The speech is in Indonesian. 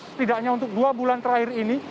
setidaknya untuk dua bulan terakhir ini